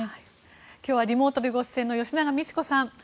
今日はリモートでご出演の吉永みち子さん。